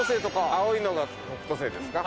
青いのが「北斗星」ですか。